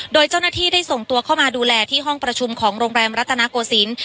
โดยเจ้าหน้าที่ได้ส่งตัวเข้ามาดูแลที่ห้องประชุมของโรงแรมรัฐนาโกศิลป์